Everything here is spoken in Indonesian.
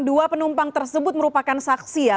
dua penumpang tersebut merupakan saksi ya